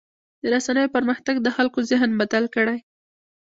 د رسنیو پرمختګ د خلکو ذهن بدل کړی.